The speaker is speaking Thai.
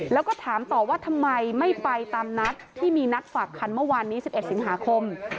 แล้วก็ถามต่อว่าทำไมไม่ไปตามนัดที่มีนัดฝากคันเมื่อวานนี้๑๑สิงหาคม